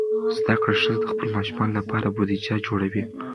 زده کړه ښځه د خپلو ماشومانو لپاره بودیجه جوړوي.